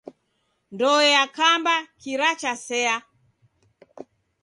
Ndoe yakamba kira chasea.